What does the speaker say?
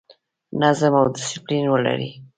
نظم او ډیسپلین ولرئ